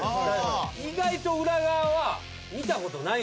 意外と裏側は見たことない。